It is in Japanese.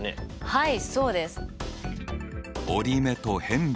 はい。